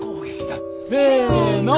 せの！